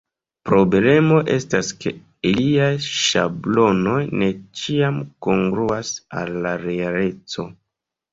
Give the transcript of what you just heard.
Problemo estas ke liaj ŝablonoj ne ĉiam kongruas al la realeco.